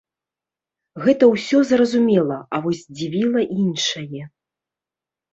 Гэта ўсё зразумела, а вось здзівіла іншае.